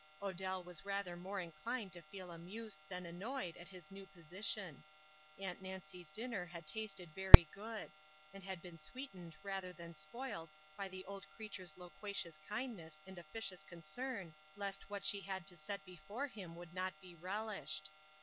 Odell was rather more inclined to feel amused than annoyed at his new position. Aunt Nancy's dinner had tasted very good; and had been sweetened rather than spoiled by the old creature's loquacious kindness and officious concern, lest what she had to set before him would not be relished.